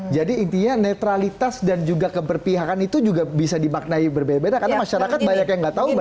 jadi intinya netralitas dan juga keberpihakan itu juga bisa dimaknai berbeda beda karena masyarakat banyak yang nggak tahu